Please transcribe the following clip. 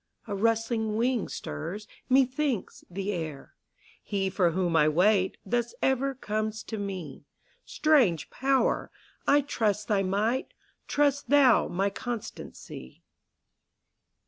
a rustling wing stirs, methinks, the air: He for whom I wait, thus ever comes to me; Strange Power! I trust thy might; trust thou my constancy.